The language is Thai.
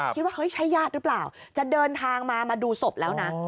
เฮ้ยใช่ญาติหรือเปล่าจะเดินทางมามาดูศพแล้วนะ